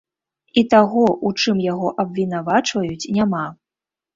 І таго, у чым яго абвінавачваюць, няма.